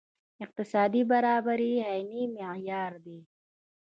اقتصادي برابري عیني معیار دی.